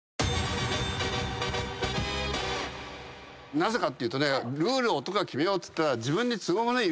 なぜかっていうとねルールを男が決めようっつったら。